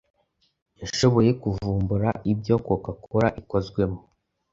yashoboye kuvumbura ibyo coca cola ikozwemo.